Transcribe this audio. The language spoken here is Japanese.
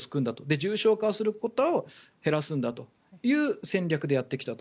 重症化することを減らすんだという戦略でやってきたと。